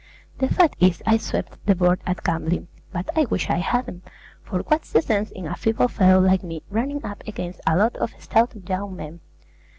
The fact is I swept the board at gambling: but I wish I hadn't; for what's the sense in a feeble fellow like me running up against a lot of stout young men?